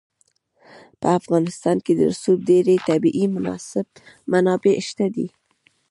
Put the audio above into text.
په افغانستان کې د رسوب ډېرې طبیعي منابع شته دي.